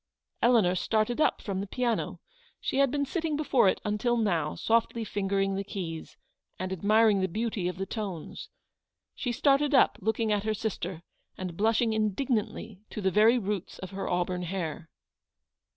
" Eleanor started up from the piano : she had been sitting before it until now, softly fingering the keys, and admiring the beauty of the tones. She started up, looking at her sister, and blushing indignantly to the very roots of her auburn hair.